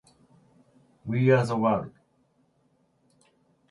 We are the world